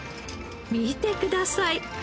見てください！